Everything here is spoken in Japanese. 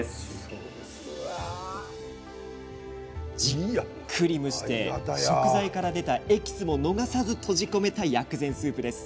じっくり蒸して食材から出たエキスも逃さず閉じ込めた薬膳スープ。